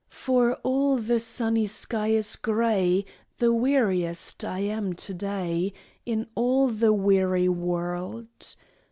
For all the sunny sky is gray, The weariest I am to day In all the weary world.